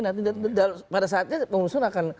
nanti pada saatnya pengusung akan